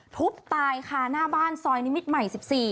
ทุบตายค่ะหน้าบ้านซอยนิมิตรใหม่๑๔